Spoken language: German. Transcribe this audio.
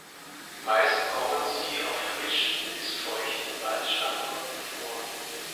Meist kommen sie auf frischen bis feuchten Wald-Standorten vor.